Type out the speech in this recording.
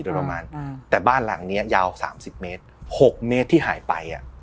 โดยประมาณแต่บ้านหลังเนี้ยยาวสามสิบเมตรหกเมตรที่หายไปอ่ะ